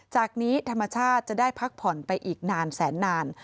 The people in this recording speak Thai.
จากนี้ธรรมชาติจะได้พักผ่อนไปอีกนานแสนนาน